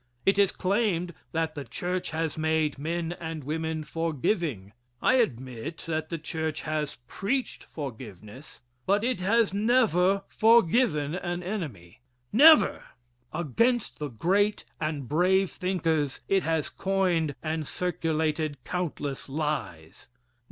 It is claimed that the church has made men and women forgiving. I admit that the church has preached forgiveness, but it has never forgiven an enemy never. Against the great and brave thinkers it has coined and circulated countless lies.